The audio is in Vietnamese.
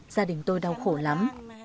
gia đình tôi đau khổ lắm